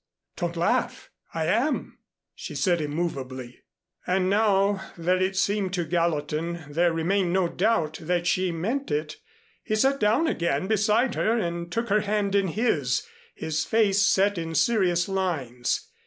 "Don't laugh! I am," she said immovably. And now that it seemed to Gallatin there remained no doubt that she meant it, he sat down again beside her and took her hand in his, his face set in serious lines.